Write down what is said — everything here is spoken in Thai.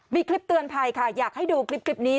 มีคลิปเตือนภัยค่ะอยากให้ดูคลิปนี้